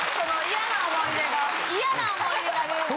嫌な思い出が出るんだ。